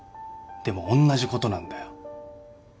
でもおんなじことなんだよ